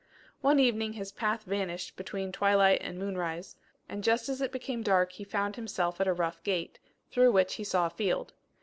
One evening his path vanished between twilight and moonrise, and just as it became dark he found himself at a rough gate, through which he saw a field.